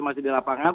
masih di lapangan